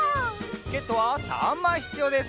チケットは３まいひつようです。